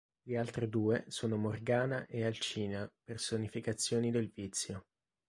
Le altre due sono Morgana e Alcina, personificazioni del vizio.